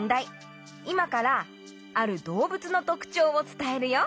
いまからあるどうぶつのとくちょうをつたえるよ。